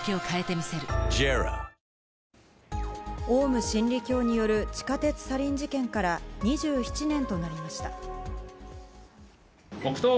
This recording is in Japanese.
オウム真理教による地下鉄サリン事件から２７年となりました。